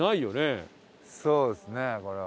そうですねこれは。